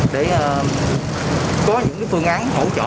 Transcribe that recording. để có những phương án hỗ trợ